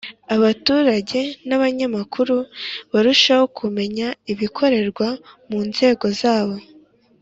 abaturage n abanyamakuru barusheho kumenya ibikorerwa mu nzego zabo